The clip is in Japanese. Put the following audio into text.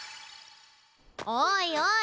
おいおい！